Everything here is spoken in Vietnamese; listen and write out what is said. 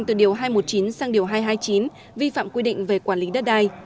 từ điều hai trăm một mươi chín sang điều hai trăm hai mươi chín vi phạm quy định về quản lý đất đai